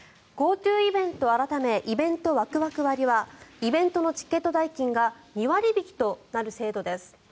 ＧｏＴｏイベント改めイベントワクワク割はイベントのチケット代金が２割引きとなる制度です。